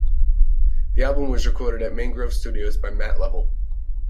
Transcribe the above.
The album was recorded at Mangrove Studios by Matt Lovell.